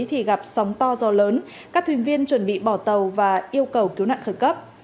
thì gặp sóng to gió lớn các thuyền viên chuẩn bị bỏ tàu và yêu cầu cứu nạn khẩn cấp